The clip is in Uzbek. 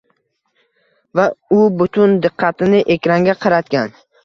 Va u butun diqqatini ekranga qaratgan